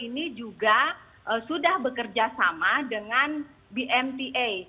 ini juga sudah bekerja sama dengan bmta